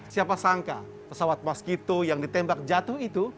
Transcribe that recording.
siapa sangka pesawat waskito yang ditembak jatuh itu